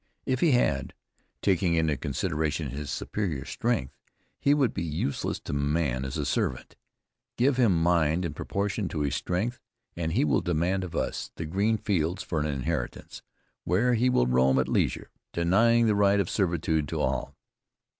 If he had, taking into consideration his superior strength, he would be useless to man as a servant. Give him mind in proportion to his strength, and he will demand of us the green fields for an inheritance, where he will roam at leisure, denying the right of servitude at all.